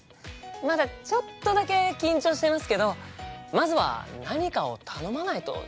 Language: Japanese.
まだちょっとだけ緊張してますけどまずは何かを頼まないとですよね。